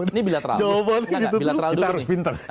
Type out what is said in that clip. ini bilateral jawabannya gitu terus kita harus pinter